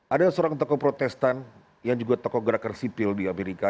ada seorang tokoh protestan yang juga tokoh gerakan sipil di amerika